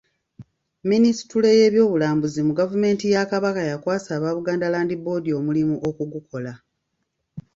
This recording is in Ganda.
Minisitule y’ebyobulambuzi mu gavumenti ya Kabaka yakwasa aba Buganda Land Board omulimu okugukola.